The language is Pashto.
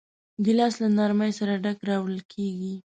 ګیلاس له نرمۍ سره ډک راوړل کېږي.